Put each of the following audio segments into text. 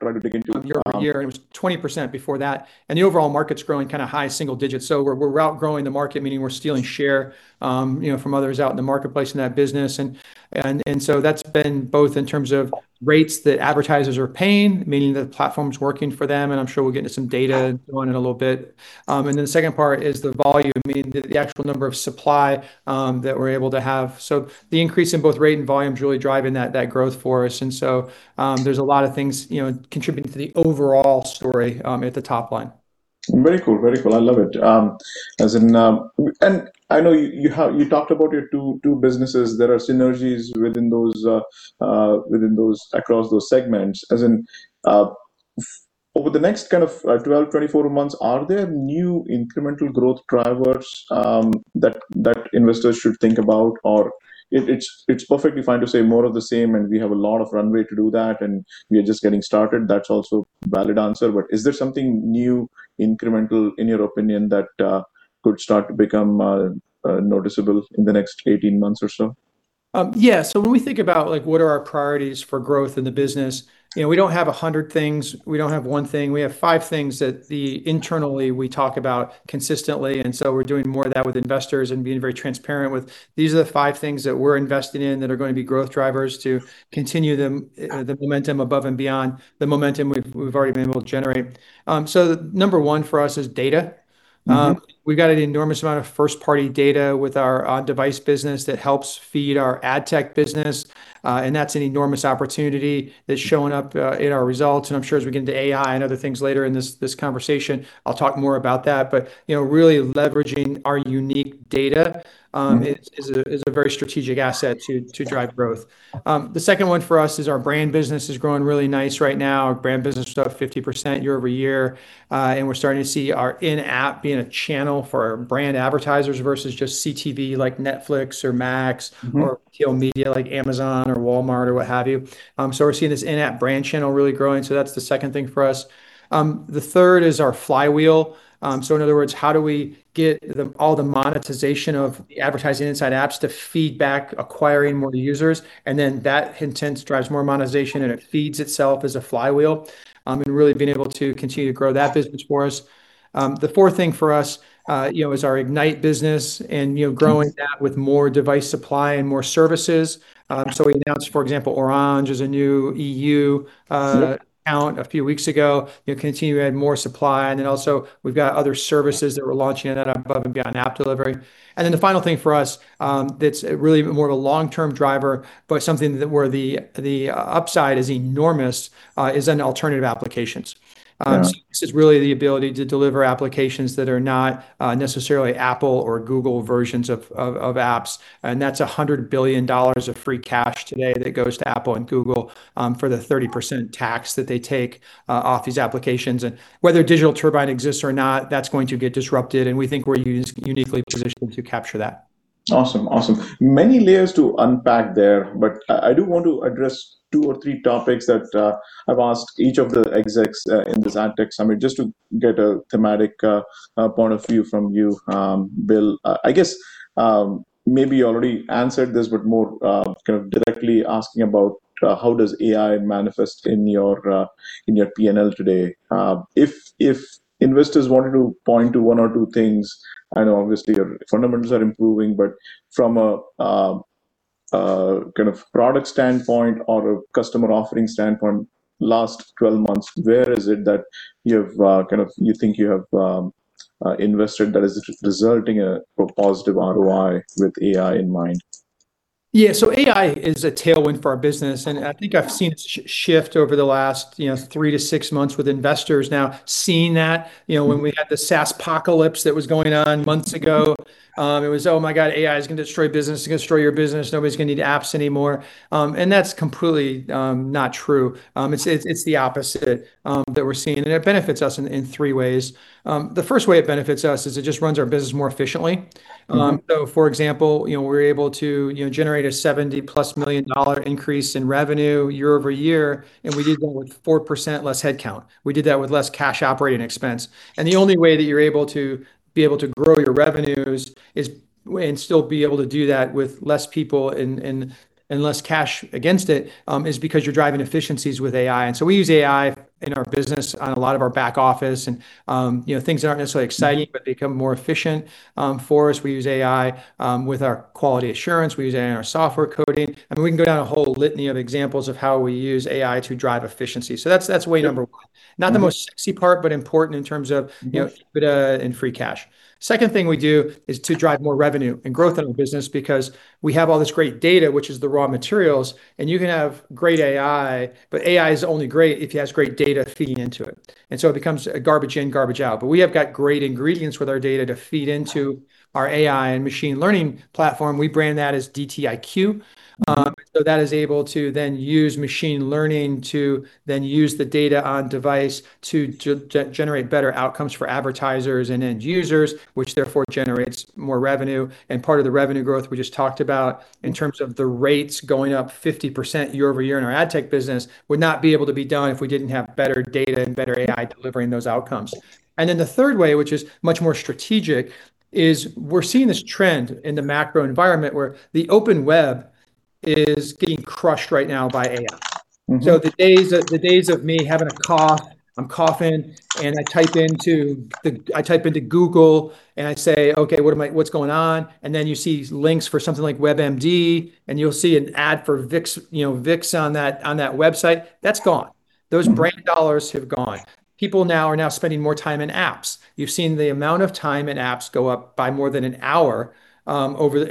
... Try to dig into.... Of year-over-year, it was 20% before that. The overall market's growing high single digits. We're outgrowing the market, meaning we're stealing share from others out in the marketplace in that business. That's been both in terms of rates that advertisers are paying, meaning the platform's working for them, and I'm sure we'll get into some data on it a little bit. The second part is the volume, meaning the actual number of supply that we're able to have. The increase in both rate and volume is really driving that growth for us. There's a lot of things contributing to the overall story at the top line. Very cool. I love it. I know you talked about your two businesses. There are synergies across those segments. Over the next 12, 24 months, are there new incremental growth drivers that investors should think about? It's perfectly fine to say more of the same, and we have a lot of runway to do that, and we are just getting started. That's also a valid answer. Is there something new, incremental, in your opinion, that could start to become noticeable in the next 18 months or so? Yeah. When we think about what are our priorities for growth in the business, we don't have 100 things. We don't have one thing. We have five things that internally we talk about consistently, and so we're doing more of that with investors and being very transparent with, these are the five things that we're investing in that are going to be growth drivers to continue the momentum above and beyond the momentum we've already been able to generate. Number one for us is data. We've got an enormous amount of first-party data with our device business that helps feed our ad tech business. That's an enormous opportunity that's showing up in our results. I'm sure as we get into AI and other things later in this conversation, I'll talk more about that. Really leveraging our unique data is a very strategic asset to drive growth. The second one for us is our brand business is growing really nice right now. Our brand business is up 50% year-over-year. We're starting to see our in-app being a channel for brand advertisers versus just CTV like Netflix or Max or retail media like Amazon or Walmart or what have you. We're seeing this in-app brand channel really growing. That's the second thing for us. The third is our flywheel. In other words, how do we get all the monetization of the advertising inside apps to feed back, acquiring more users, and then that intends to drive more monetization, and it feeds itself as a flywheel. Really being able to continue to grow that business for us. The fourth thing for us is our Ignite business and growing that with more device supply and more services. We announced, for example, Orange as a new EU account a few weeks ago. Continuing to add more supply, also we've got other services that we're launching on that above and beyond app delivery. The final thing for us that's really more of a long-term driver, but something where the upside is enormous, is in alternative applications. Yeah. This is really the ability to deliver applications that are not necessarily Apple or Google versions of apps. That's $100 billion of free cash today that goes to Apple and Google for the 30% tax that they take off these applications. Whether Digital Turbine exists or not, that's going to get disrupted, and we think we're uniquely positioned to capture that. Awesome. Many layers to unpack there, but I do want to address two or three topics that I've asked each of the execs in this Ad-Tech summit, just to get a thematic point of view from you, Bill. I guess, maybe you already answered this, but more kind of directly asking about how does AI manifest in your P&L today? If investors wanted to point to one or two things, I know obviously your fundamentals are improving, but from a kind of product standpoint or a customer offering standpoint last 12 months, where is it that you think you have invested that is resulting in a positive ROI with AI in mind? Yeah. AI is a tailwind for our business, I think I've seen it shift over the last three to six months with investors now seeing that. When we had the SaaS apocalypse that was going on months ago, it was, oh my God, AI is going to destroy business. It's going to destroy your business. Nobody's going to need apps anymore. That's completely not true. It's the opposite that we're seeing, it benefits us in three ways. The first way it benefits us is it just runs our business more efficiently. For example, we were able to generate a $70+ million increase in revenue year-over-year, and we did that with 4% less headcount. We did that with less cash operating expense. The only way that you're able to grow your revenues and still be able to do that with less people and less cash against it, is because you're driving efficiencies with AI. We use AI in our business on a lot of our back office and things that aren't necessarily exciting, but become more efficient for us. We use AI with our quality assurance. We use AI in our software coding. I mean, we can go down a whole litany of examples of how we use AI to drive efficiency. That's way one. Not the most sexy part, but important in terms of... Yes.... EBITDA and free cash. Second thing we do is to drive more revenue and growth in the business because we have all this great data, which is the raw materials, and you can have great AI, but AI is only great if you have great data feeding into it. It becomes garbage in, garbage out. But we have got great ingredients with our data to feed into our AI and machine learning platform. We brand that as DT IQ. That is able to then use machine learning to then use the data on device to generate better outcomes for advertisers and end users, which therefore generates more revenue. Part of the revenue growth we just talked about in terms of the rates going up 50% year-over-year in our ad tech business would not be able to be done if we didn't have better data and better AI delivering those outcomes. The third way, which is much more strategic, is we're seeing this trend in the macro environment where the open web is getting crushed right now by AI. The days of me having a cough, I'm coughing and I type into Google, and I say, okay, what's going on? Then you see these links for something like WebMD, and you'll see an ad for Vicks on that website. That's gone. Those brand dollars have gone. People now are spending more time in apps. You've seen the amount of time in apps go up by more than an hour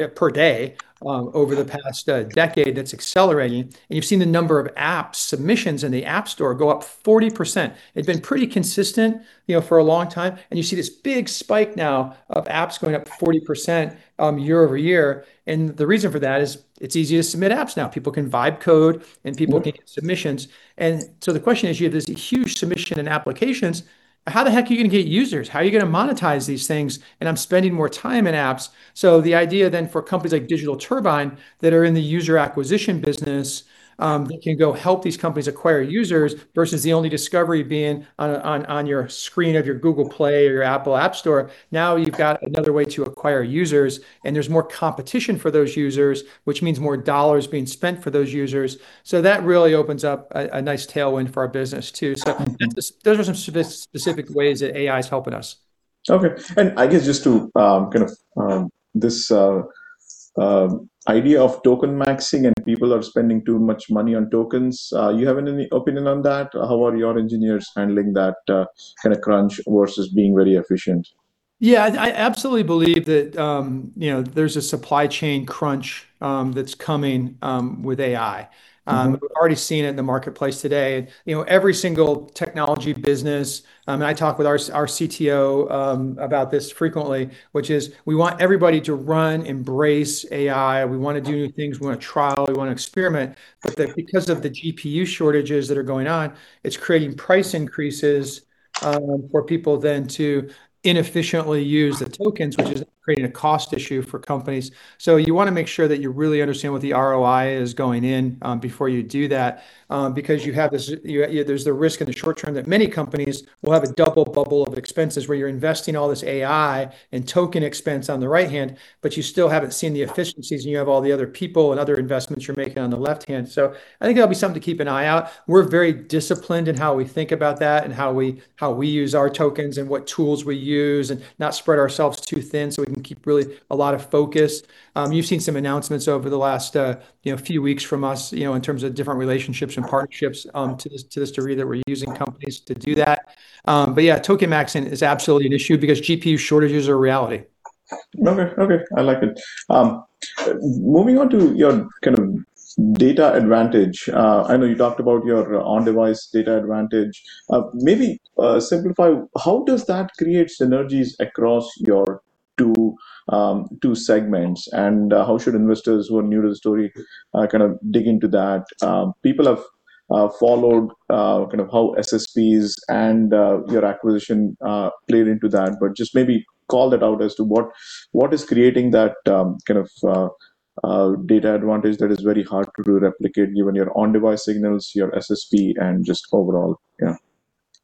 per day over the past decade. That's accelerating. You've seen the number of app submissions in the App Store go up 40%. It'd been pretty consistent for a long time, and you see this big spike now of apps going up 40% year-over-year. The reason for that is it's easy to submit apps now. People can vibe code, and people can get submissions. The question is, you have this huge submission in applications, how the heck are you going to get users? How are you going to monetize these things? I'm spending more time in apps. The idea for companies like Digital Turbine that are in the user acquisition business, that can go help these companies acquire users, versus the only discovery being on your screen of your Google Play or your Apple App Store. You've got another way to acquire users, and there's more competition for those users, which means more dollars being spent for those users. That really opens up a nice tailwind for our business, too. Those are some specific ways that AI's helping us. Okay. I guess just to this idea of token maxing and people are spending too much money on tokens, you have any opinion on that? How are your engineers handling that kind of crunch versus being very efficient? Yeah, I absolutely believe that there's a supply chain crunch that's coming with AI. We've already seen it in the marketplace today, every single technology business, I talk with our CTO about this frequently, which is we want everybody to run Embrace AI. We want to do things, we want to trial, we want to experiment. Because of the GPU shortages that are going on, it's creating price increases for people then to inefficiently use the tokens, which is creating a cost issue for companies. You want to make sure that you really understand what the ROI is going in before you do that, because there's the risk in the short term that many companies will have a double bubble of expenses where you're investing all this AI and token expense on the right hand, but you still haven't seen the efficiencies, and you have all the other people and other investments you're making on the left hand. I think that'll be something to keep an eye out. We're very disciplined in how we think about that and how we use our tokens and what tools we use, and not spread ourselves too thin so we can keep really a lot of focus. You've seen some announcements over the last few weeks from us in terms of different relationships and partnerships to this degree, that we're using companies to do that. Yeah, token maxing is absolutely an issue because GPU shortages are a reality. Okay. I like it. Moving on to your data advantage. I know you talked about your on-device data advantage. Maybe simplify, how does that create synergies across your two segments, and how should investors who are new to the story dig into that? People have followed how SSPs and your acquisition played into that, but just maybe call that out as to what is creating that kind of data advantage that is very hard to replicate, given your on-device signals, your SSP, and just overall. Yeah.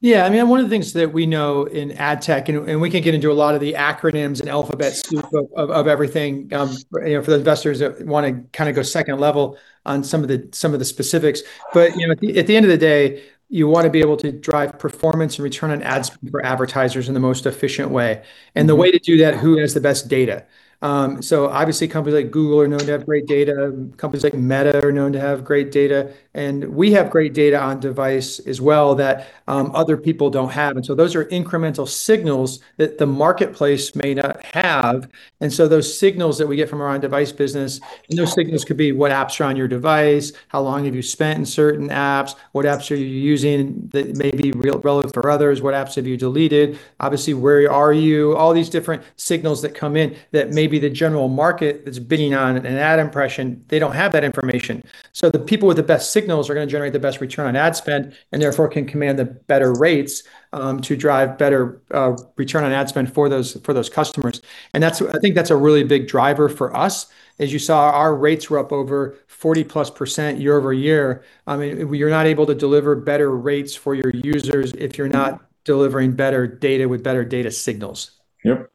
One of the things that we know in ad tech, and we can get into a lot of the acronyms and alphabet soup of everything for the investors that want to go second level on some of the specifics. At the end of the day, you want to be able to drive performance and return on ad spend for advertisers in the most efficient way. The way to do that, who has the best data? Obviously companies like Google are known to have great data. Companies like Meta are known to have great data, and we have great data on device as well that other people don't have. Those are incremental signals that the marketplace may not have. Those signals that we get from our on-device business, and those signals could be what apps are on your device, how long have you spent in certain apps, what apps are you using that may be relevant for others, what apps have you deleted? Obviously, where are you? All these different signals that come in that maybe the general market that's bidding on an ad impression, they don't have that information. The people with the best signals are going to generate the best return on ad spend, and therefore can command the better rates to drive better return on ad spend for those customers. I think that's a really big driver for us. As you saw, our rates were up over 40%+ year-over-year. You're not able to deliver better rates for your users if you're not delivering better data with better data signals. Yep.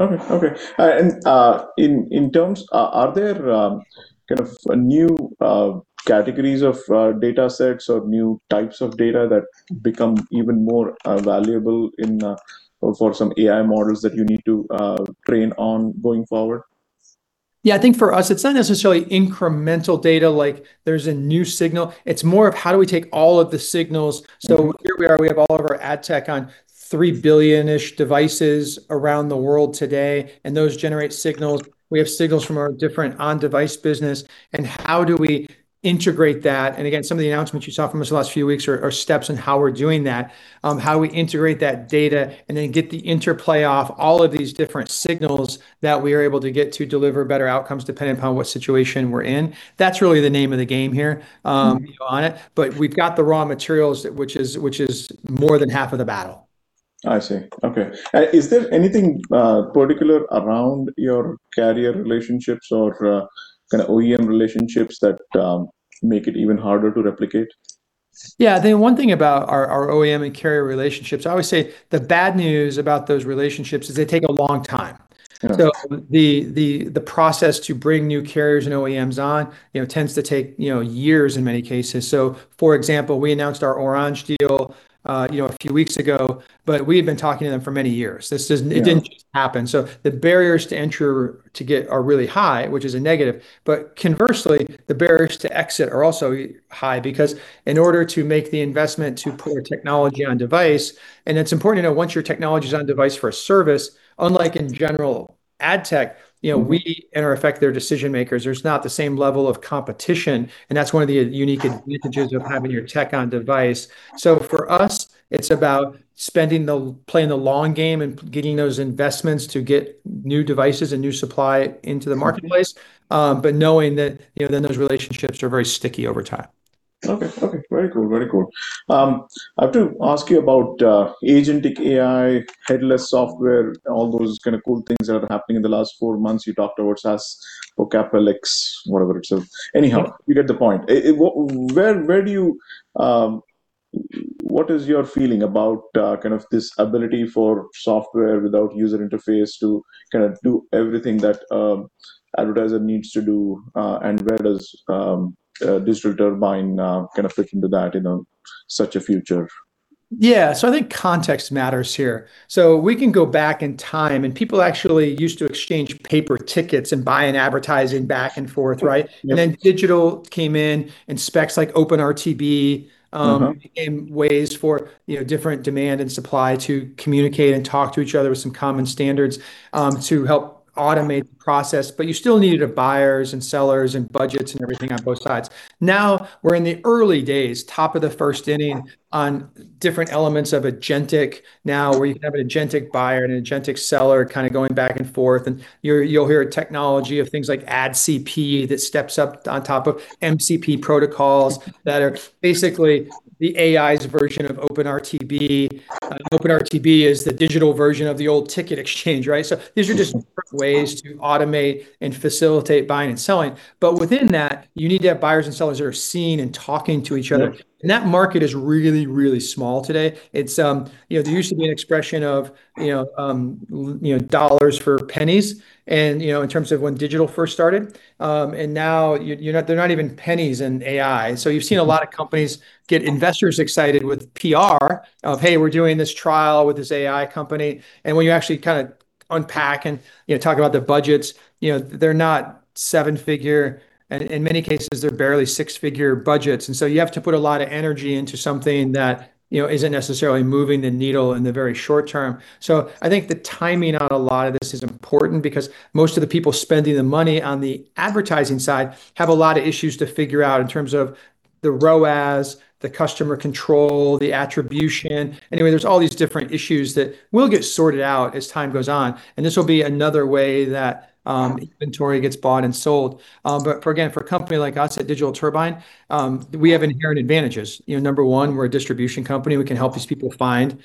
Okay. Are there new categories of data sets or new types of data that become even more valuable for some AI models that you need to train on going forward? Yeah, I think for us, it's not necessarily incremental data, like there's a new signal. It's more of how do we take all of the signals. Here we are, we have all of our ad tech on 3 billion-ish devices around the world today, and those generate signals. We have signals from our different on-device business, how do we integrate that? Again, some of the announcements you saw from us the last few weeks are steps in how we're doing that, how we integrate that data, then get the interplay of all of these different signals that we are able to get to deliver better outcomes depending upon what situation we're in. That's really the name of the game here on it. We've got the raw materials, which is more than half of the battle. I see. Okay. Is there anything particular around your carrier relationships or OEM relationships that make it even harder to replicate? Yeah. I think one thing about our OEM and carrier relationships, I always say the bad news about those relationships is they take a long time. Yeah. The process to bring new carriers and OEMs on tends to take years in many cases. For example, we announced our Orange deal a few weeks ago, but we had been talking to them for many years. Yeah. It didn't just happen. The barriers to entry are really high, which is a negative, but conversely, the barriers to exit are also high because in order to make the investment to put technology on device, and it's important to know, once your technology's on device for a service, unlike in general ad tech, we in effect their decision makers. There's not the same level of competition, and that's one of the unique advantages of having your tech on device. For us, it's about playing the long game and getting those investments to get new devices and new supply into the marketplace. Knowing that then those relationships are very sticky over time. Okay. Very cool. I have to ask you about agentic AI, headless software, all those kind of cool things that are happening in the last four months. You talked about SaaS or CapEx, whatever it is. Anyhow, you get the point. What is your feeling about this ability for software without user interface to do everything that an advertiser needs to do? Where does Digital Turbine fit into that in such a future? Yeah. I think context matters here. We can go back in time and people actually used to exchange paper tickets and buy and advertising back and forth, right? Yeah. Digital came in and specs like OpenRTB came ways for different demand and supply to communicate and talk to each other with some common standards to help automate the process. You still needed buyers and sellers and budgets and everything on both sides. We're in the early days, top of the first inning on different elements of agentic now where you can have an agentic buyer and an agentic seller going back and forth, and you'll hear technology of things like AdCP that steps up on top of MCP protocols that are basically the AI's version of OpenRTB. OpenRTB is the digital version of the old ticket exchange, right? These are just different ways to automate and facilitate buying and selling. Within that, you need to have buyers and sellers that are seeing and talking to each other. That market is really, really small today. There used to be an expression of dollars for pennies in terms of when digital first started. Now they're not even pennies in AI. You've seen a lot of companies get investors excited with PR of, hey, we're doing this trial with this AI company. When you actually unpack and talk about the budgets, they're not 7-figure, and in many cases they're barely 6-figure budgets. You have to put a lot of energy into something that isn't necessarily moving the needle in the very short term. I think the timing on a lot of this is important because most of the people spending the money on the advertising side have a lot of issues to figure out in terms of the ROAS, the customer control, the attribution. Anyway, there's all these different issues that will get sorted out as time goes on, this will be another way that inventory gets bought and sold. Again, for a company like us at Digital Turbine, we have inherent advantages. Number one, we're a distribution company. We can help these people find.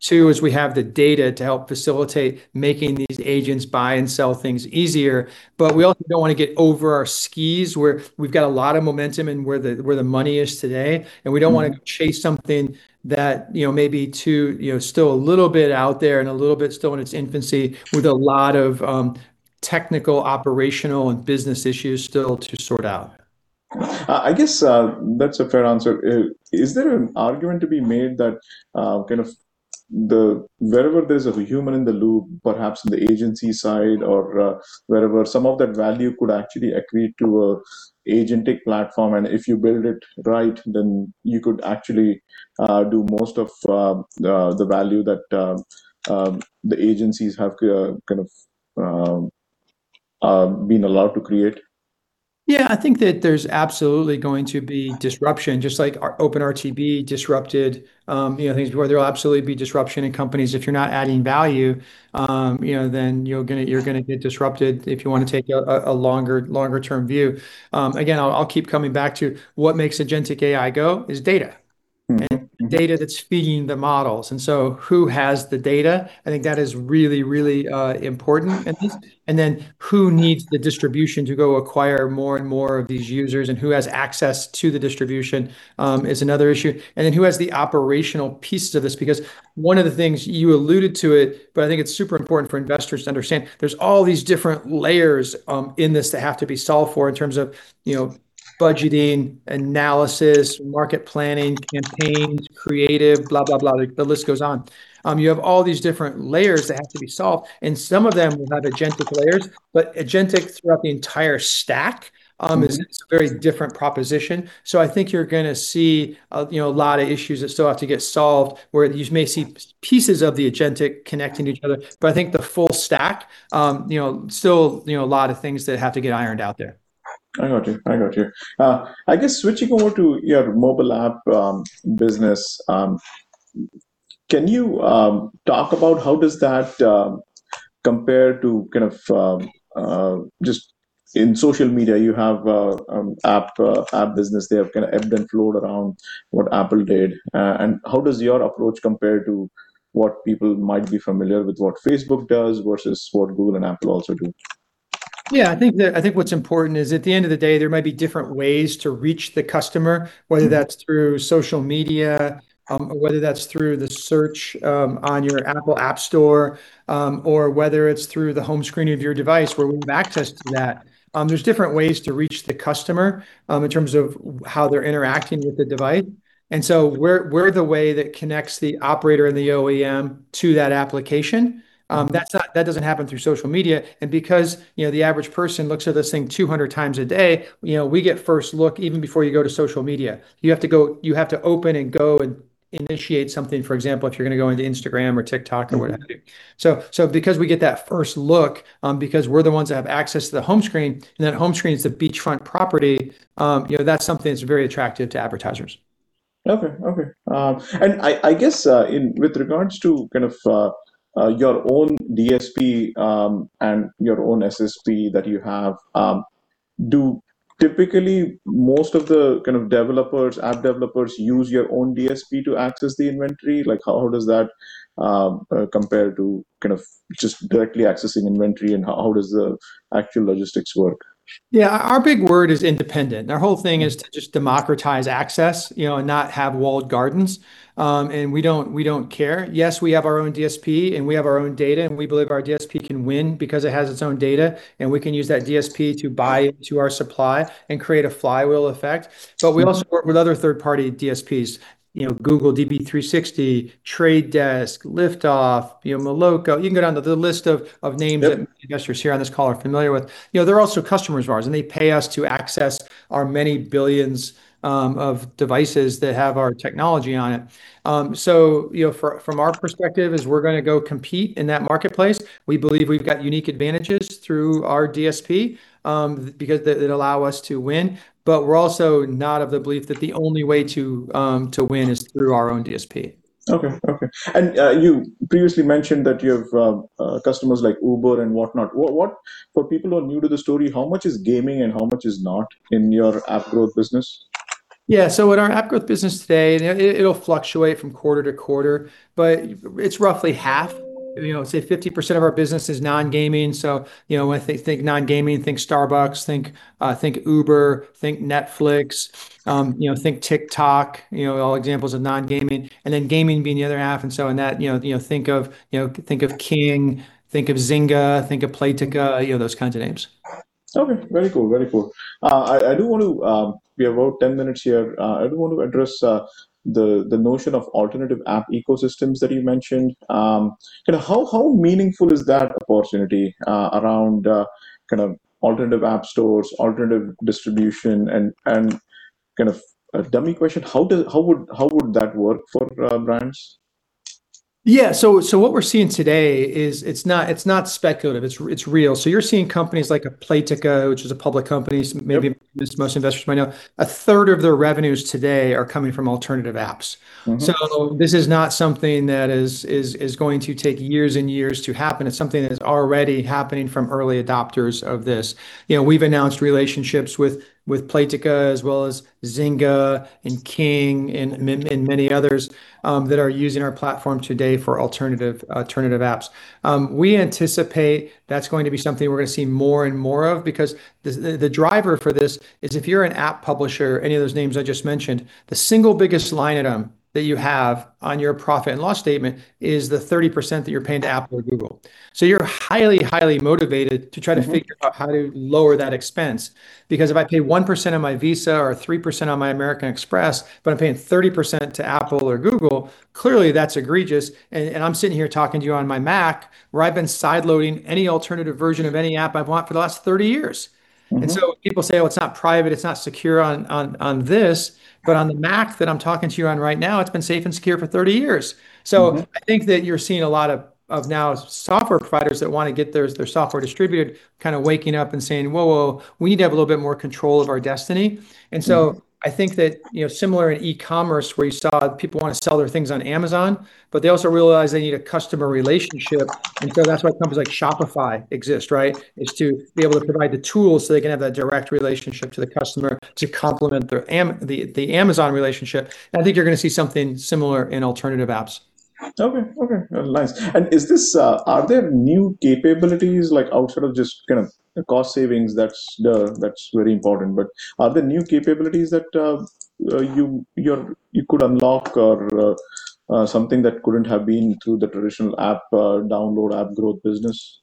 Two is we have the data to help facilitate making these agents buy and sell things easier. We also don't want to get over our skis where we've got a lot of momentum in where the money is today, and we don't want to chase something that may be still a little bit out there and a little bit still in its infancy with a lot of technical, operational, and business issues still to sort out. I guess that's a fair answer. Is there an argument to be made that wherever there's a human in the loop, perhaps in the agency side or wherever, some of that value could actually accrete to agentic platform, and if you build it right, then you could actually do most of the value that the agencies have been allowed to create? I think that there's absolutely going to be disruption, just like OpenRTB disrupted things where there'll absolutely be disruption in companies. If you're not adding value then you're going to get disrupted if you want to take a longer term view. Again, I'll keep coming back to what makes agentic AI go is data. Data that's feeding the models. Who has the data? I think that is really, really important. Who needs the distribution to go acquire more and more of these users and who has access to the distribution is another issue. Who has the operational pieces to this because one of the things you alluded to it, but I think it's super important for investors to understand, there's all these different layers in this that have to be solved for in terms of budgeting, analysis, market planning, campaigns, creative, blah, blah. The list goes on. You have all these different layers that have to be solved, and some of them will have agentic layers, but agentic throughout the entire stack is a very different proposition. I think you're going to see a lot of issues that still have to get solved where you may see pieces of the agentic connecting to each other, but I think the full stack still a lot of things that have to get ironed out there. I got you. I guess switching over to your mobile app business, can you talk about how does that compare to just in social media you have app business there, have kind of ebbed and flowed around what Apple did, and how does your approach compare to what people might be familiar with what Facebook does versus what Google and Apple also do? Yeah, I think what's important is at the end of the day, there might be different ways to reach the customer, whether that's through social media, whether that's through the search on your Apple App Store, or whether it's through the home screen of your device where we have access to that. There's different ways to reach the customer in terms of how they're interacting with the device. We're the way that connects the operator and the OEM to that application. That doesn't happen through social media. Because the average person looks at this thing 200 times a day, we get first look even before you go to social media. You have to open and go and initiate something, for example, if you're going to go into Instagram or TikTok or whatever you do. Because we get that first look, because we're the ones that have access to the home screen, and that home screen's the beachfront property, that's something that's very attractive to advertisers. Okay. I guess with regards to your own DSP, and your own SSP that you have, do typically most of the app developers use your own DSP to access the inventory? How does that compare to just directly accessing inventory, and how does the actual logistics work? Yeah. Our big word is independent. Our whole thing is to just democratize access, not have walled gardens. We don't care. Yes, we have our own DSP and we have our own data, and we believe our DSP can win because it has its own data, and we can use that DSP to buy into our supply and create a flywheel effect. We also work with other third-party DSPs, Google, DV360, The Trade Desk, Liftoff, Moloco. You can go down to the list of names... Yep... That investors here on this call are familiar with. They're also customers of ours, and they pay us to access our many billions of devices that have our technology on it. From our perspective is we're going to go compete in that marketplace. We believe we've got unique advantages through our DSP, because it allow us to win. We're also not of the belief that the only way to win is through our own DSP. Okay. You previously mentioned that you have customers like Uber and whatnot. For people who are new to the story, how much is gaming and how much is not in your app growth business? With our app growth business today, it'll fluctuate from quarter to quarter, but it's roughly half, say 50% of our business is non-gaming. When they think non-gaming, think Starbucks, think Uber, think Netflix, think TikTok, all examples of non-gaming. Gaming being the other half, in that, think of King, think of Zynga, think of Playtika, those kinds of names. Okay. Very cool. We have about 10 minutes here. I do want to address the notion of alternative app ecosystems that you mentioned. How meaningful is that opportunity around alternative app stores, alternative distribution, and a dummy question, how would that work for brands? Yeah. So, what we're seeing today is it's not speculative, it's real. You're seeing companies like a Playtika, which is a public company. Yep. Maybe most investors might know. A third of their revenues today are coming from alternative apps. This is not something that is going to take years and years to happen. It's something that is already happening from early adopters of this. We've announced relationships with Playtika as well as Zynga and King and many others that are using our platform today for alternative apps. We anticipate that's going to be something we're going to see more and more of because the driver for this is if you're an app publisher, any of those names I just mentioned, the single biggest line item that you have on your profit and loss statement is the 30% that you're paying to Apple or Google. You're highly motivated to try to figure out how to lower that expense. If I pay 1% on my Visa or 3% on my American Express, but I'm paying 30% to Apple or Google, clearly that's egregious. I'm sitting here talking to you on my Mac, where I've been side loading any alternative version of any app I want for the last 30 years. People say, oh, it's not private, it's not secure on this. On the Mac that I'm talking to you on right now, it's been safe and secure for 30 years. I think that you're seeing a lot of now software providers that want to get their software distributed waking up and saying, whoa, we need to have a little bit more control of our destiny. I think that similar in e-commerce where you saw people want to sell their things on Amazon, but they also realize they need a customer relationship, so that's why companies like Shopify exist, right? Is to be able to provide the tools so they can have that direct relationship to the customer to complement the Amazon relationship. I think you're going to see something similar in alternative apps. Okay. Nice. Are there new capabilities outside of just cost savings? That's very important, but are there new capabilities that you could unlock or something that couldn't have been through the traditional app download, app growth business?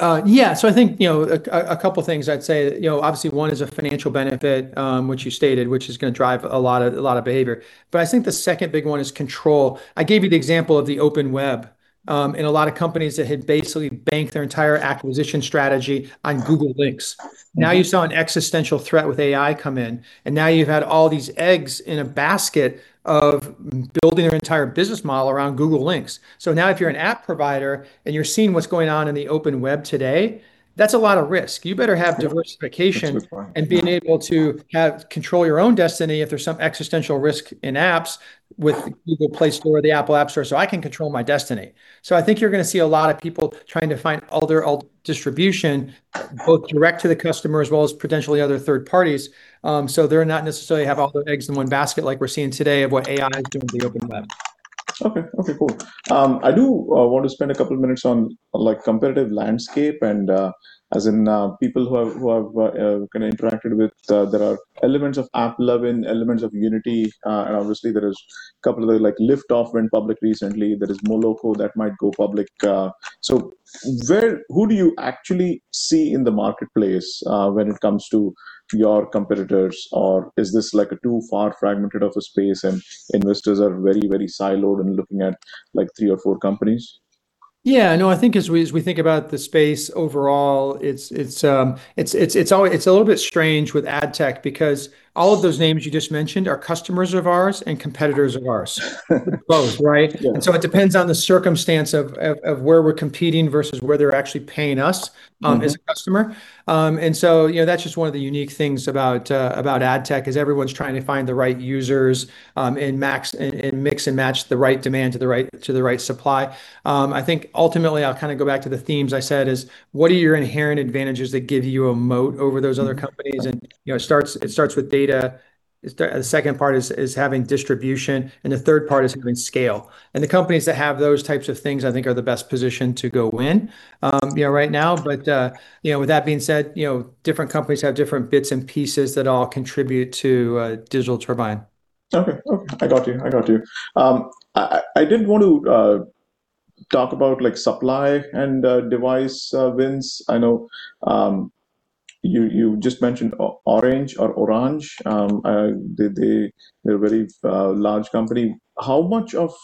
Yeah. I think a couple of things I'd say. Obviously one is a financial benefit, which you stated, which is going to drive a lot of behavior. I think the second big one is control. I gave you the example of the open web, and a lot of companies that had basically banked their entire acquisition strategy on Google Links. Now you saw an existential threat with AI come in, and now you've had all these eggs in a basket of building their entire business model around Google Links. Now if you're an app provider and you're seeing what's going on in the open web today, that's a lot of risk. You better have diversification being able to control your own destiny if there's some existential risk in apps with Google Play Store, the Apple App Store, I can control my destiny. I think you're going to see a lot of people trying to find all their distribution, both direct to the customer as well as potentially other third parties, they're not necessarily have all their eggs in one basket like we're seeing today of what AI is doing to the open web. Okay, cool. I do want to spend a couple minutes on competitive landscape and as in people who I've interacted with, there are elements of AppLovin, elements of Unity, and obviously there is a couple other, like Liftoff went public recently. There is Moloco that might go public. Who do you actually see in the marketplace when it comes to your competitors? Is this a too far fragmented of a space and investors are very siloed and looking at three or four companies? Yeah, no, I think as we think about the space overall, it's a little bit strange with ad tech because all of those names you just mentioned are customers of ours and competitors of ours. Both, right? Yeah. It depends on the circumstance of where we're competing versus where they're actually paying us as a customer. That's just one of the unique things about ad tech is everyone's trying to find the right users, and mix and match the right demand to the right supply. I think ultimately I'll go back to the themes I said is, what are your inherent advantages that give you a moat over those other companies? It starts with data. The second part is having distribution, and the third part is scale. The companies that have those types of things, I think are the best positioned to go win right now. With that being said different companies have different bits and pieces that all contribute to Digital Turbine. Okay. I got you. I did want to talk about supply and device wins. I know you just mentioned Orange. They're a very large company. How much of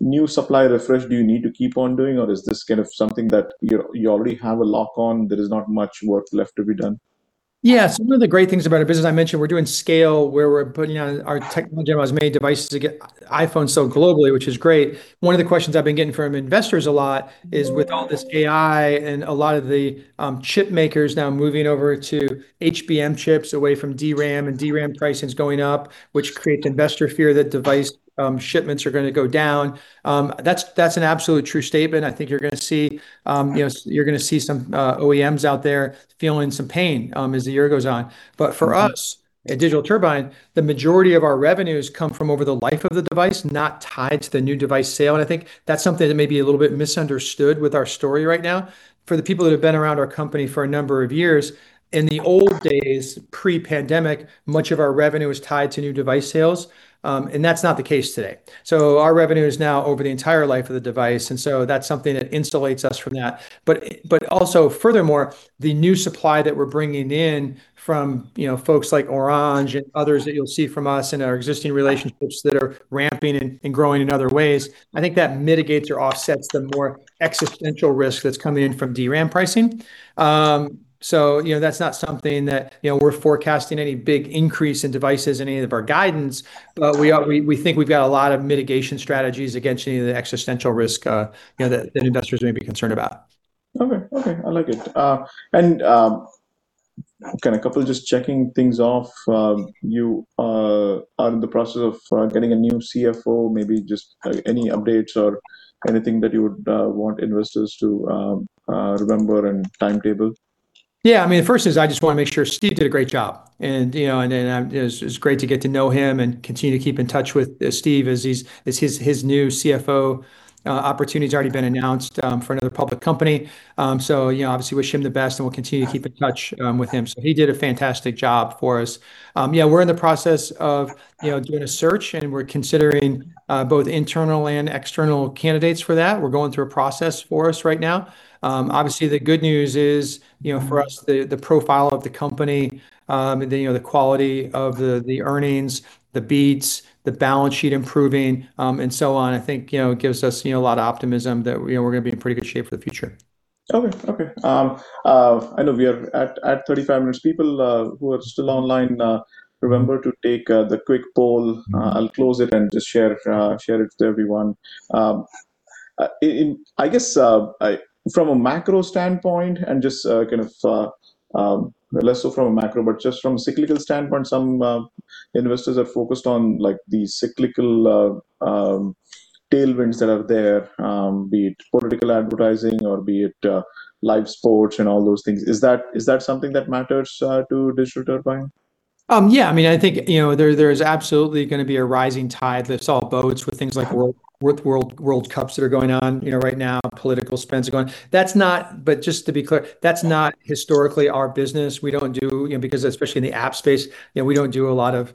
new supply refresh do you need to keep on doing, or is this something that you already have a lock on, there is not much work left to be done? Yeah. Some of the great things about our business, I mentioned we're doing scale where we're putting our technology on as many devices to get iPhone sold globally, which is great. One of the questions I've been getting from investors a lot is with all this AI and a lot of the chip makers now moving over to HBM chips away from DRAM and DRAM pricing's going up, which creates investor fear that device shipments are going to go down. That's an absolutely true statement. I think you're going to see some OEMs out there feeling some pain as the year goes on. But for us at Digital Turbine, the majority of our revenues come from over the life of the device, not tied to the new device sale. I think that's something that may be a little bit misunderstood with our story right now. For the people that have been around our company for a number of years, in the old days, pre-pandemic, much of our revenue was tied to new device sales. That's not the case today. Our revenue is now over the entire life of the device, and so that's something that insulates us from that. Also furthermore, the new supply that we're bringing in from folks like Orange and others that you'll see from us in our existing relationships that are ramping and growing in other ways, I think that mitigates or offsets the more existential risk that's coming in from DRAM pricing. That's not something that we're forecasting any big increase in devices in any of our guidance, but we think we've got a lot of mitigation strategies against any of the existential risk that investors may be concerned about. Okay. I like it. Kind of couple just checking things off. You are in the process of getting a new CFO, maybe just any updates or anything that you would want investors to remember and timetable. Yeah. First is I just want to make sure Steve did a great job and it was great to get to know him and continue to keep in touch with Steve as his new CFO opportunity's already been announced for another public company. Obviously wish him the best and we'll continue to keep in touch with him. He did a fantastic job for us. We're in the process of doing a search and we're considering both internal and external candidates for that. We're going through a process for us right now. The good news is for us, the profile of the company, the quality of the earnings, the beats, the balance sheet improving, and so on, I think gives us a lot of optimism that we're going to be in pretty good shape for the future. Okay. I know we are at 35 minutes. People who are still online, remember to take the quick poll. I'll close it and just share it with everyone. I guess from a macro standpoint, and just kind of less so from a macro, but just from a cyclical standpoint, some investors are focused on the cyclical tailwinds that are there, be it political advertising or be it live sports and all those things. Is that something that matters to Digital Turbine? Yeah, I think there's absolutely going to be a rising tide that lifts all boats with things like World Cup that are going on right now, political spends are going. Just to be clear, that's not historically our business. Because especially in the app space, we don't do a lot of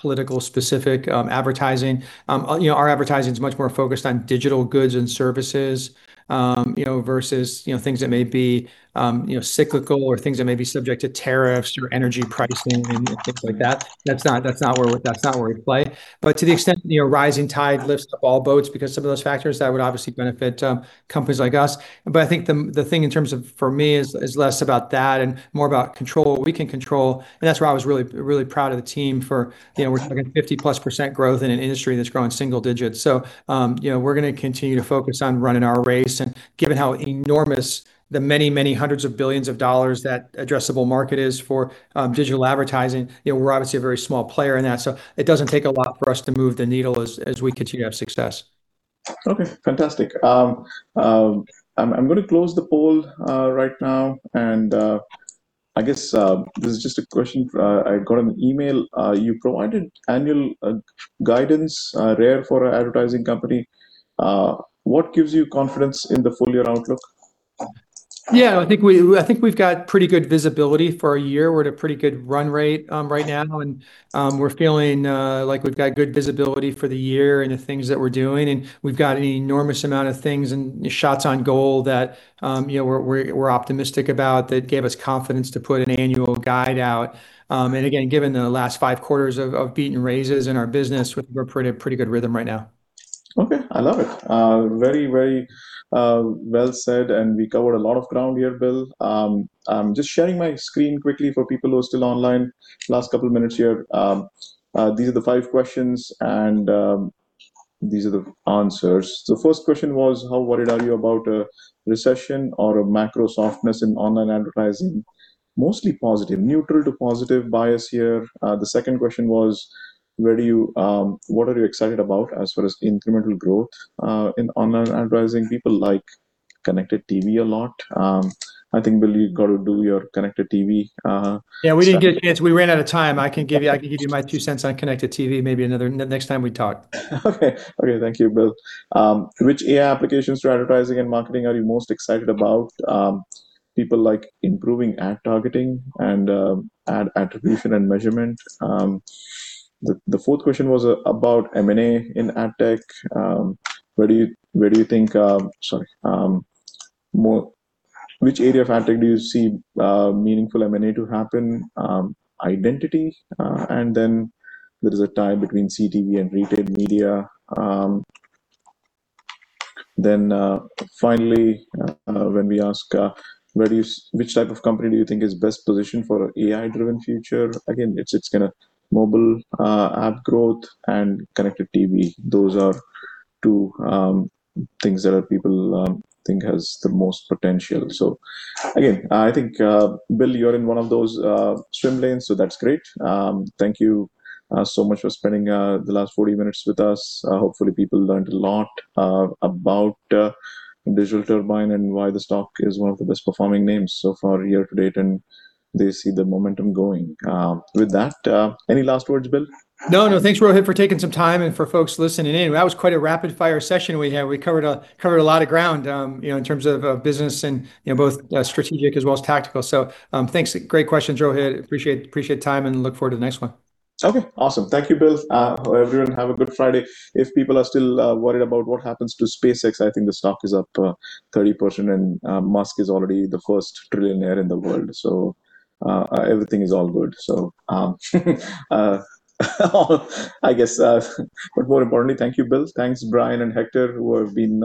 political specific advertising. Our advertising's much more focused on digital goods and services, versus things that may be cyclical or things that may be subject to tariffs or energy pricing and things like that. That's not where we play. To the extent, rising tide lifts up all boats because some of those factors that would obviously benefit companies like us. I think the thing in terms of, for me, is less about that and more about what we can control, and that's where I was really proud of the team for. Yeah. We're talking 50%+ growth in an industry that's growing single digits. We're going to continue to focus on running our race and given how enormous the many hundreds of billions of dollars that addressable market is for digital advertising, we're obviously a very small player in that. It doesn't take a lot for us to move the needle as we continue to have success. Okay, fantastic. I'm going to close the poll right now, I guess this is just a question I got in an email. You provided annual guidance, rare for an advertising company. What gives you confidence in the full year outlook? Yeah, I think we've got pretty good visibility for a year. We're at a pretty good run rate right now, we're feeling like we've got good visibility for the year and the things that we're doing, we've got an enormous amount of things and shots on goal that we're optimistic about, that gave us confidence to put an annual guide out. Again, given the last five quarters of beating raises in our business, we're at a pretty good rhythm right now. Okay. I love it. Very well said. We covered a lot of ground here, Bill. Just sharing my screen quickly for people who are still online. Last couple minutes here. These are the five questions and these are the answers. The first question was, how worried are you about a recession or a macro softness in online advertising? Mostly positive. Neutral to positive bias here. The second question was, what are you excited about as far as incremental growth in online advertising? People like connected TV a lot. I think, Bill, you've got to do your connected TV. Yeah, we didn't get a chance. We ran out of time. I can give you my two cents on connected TV maybe next time we talk. Okay. Thank you, Bill. Which AI applications for advertising and marketing are you most excited about? People like improving ad targeting and ad attribution and measurement. The fourth question was about M&A in ad tech. Which area of ad tech do you see meaningful M&A to happen? Identity. There is a tie between CTV and retail media. Finally, when we ask which type of company do you think is best positioned for an AI-driven future, again, it's mobile ad growth and connected TV. Those are two things that people think has the most potential. Again, I think, Bill, you're in one of those swim lanes, so that's great. Thank you so much for spending the last 40 minutes with us. Hopefully, people learned a lot about Digital Turbine and why the stock is one of the best-performing names so far year to date. They see the momentum going. With that, any last words, Bill? No, no, thanks, Rohit, for taking some time and for folks listening in. That was quite a rapid-fire session we had. We covered a lot of ground in terms of business and both strategic as well as tactical. Thanks. Great questions, Rohit. Appreciate the time and look forward to the next one. Okay, awesome. Thank you, Bill. Everyone, have a good Friday. If people are still worried about what happens to SpaceX, I think the stock is up 30% and Musk is already the first trillionaire in the world. Everything is all good. I guess, but more importantly, thank you, Bill. Thanks, Brian and Hector, who have been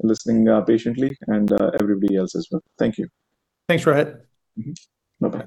listening patiently, and everybody else as well. Thank you. Thanks, Rohit. Bye bye.